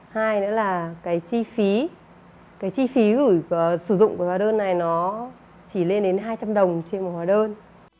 hai nữa là cái chi phí cái chi phí của sử dụng hóa đơn này nó chỉ lên đến hai trăm linh đồng trên một sản phẩm